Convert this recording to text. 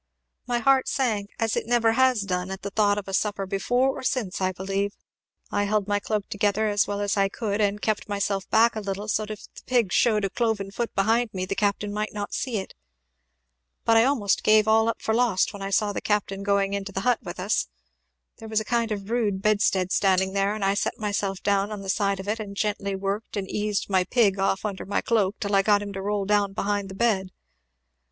My heart sank as it never has done at the thought of a supper before or since, I believe! I held my cloak together as well as I could, and kept myself back a little, so that if the pig shewed a cloven foot behind me, the captain might not see it. But I almost gave up all for lost when I saw the captain going into the hut with us. There was a kind of a rude bedstead standing there; and I set myself down upon the side of it, and gently worked and eased my pig off under my cloak till I got him to roll down behind the bed.